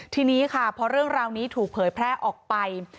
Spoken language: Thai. ทีนี้ค่ะพอเรื่องราวนี้ถูกเผยแพร่ออกไป